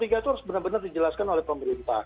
itu harus benar benar dijelaskan oleh pemerintah